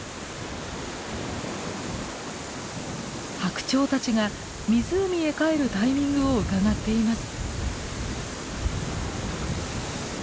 ハクチョウたちが湖へ帰るタイミングをうかがっています。